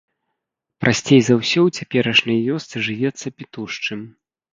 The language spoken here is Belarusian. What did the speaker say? Прасцей за ўсё ў цяперашняй вёсцы жывецца пітушчым.